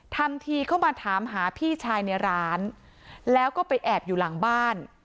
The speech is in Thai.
ทำทีเข้ามาถามหาพี่ชายในร้านแล้วก็ไปแอบอยู่หลังบ้าน